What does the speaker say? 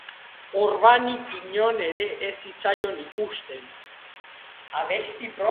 Orbanik inon ere ez zitzaion ikusten.